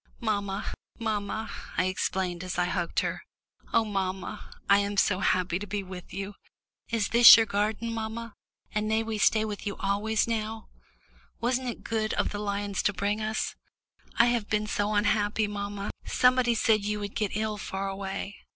"Mamma, mamma," I exclaimed, as I hugged her, "oh, mamma, I am so happy to be with you. Is this your garden, mamma, and may we stay with you always now? Wasn't it good of the lions to bring us? I have been so unhappy, mamma somebody said you would get ill far away.